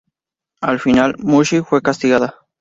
Al final, Mushi fue castigada.